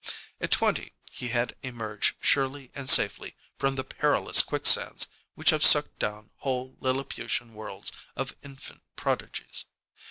At twenty he had emerged surely and safely from the perilous quicksands which have sucked down whole Lilliputian worlds of infant prodigies.